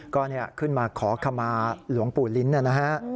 ก็ขึ้นมาขอขมาหลวงปู่ลิ้นนะฮะ